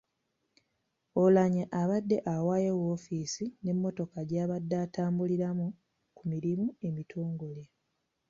Oulanyah abadde awaayo woofiisi n’emmotoka gy’abadde atambuliramu ku mirimu emitongole.